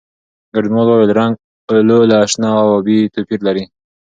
ګډونوالو وویل، رنګ "اولو" له شنه او ابي توپیر لري.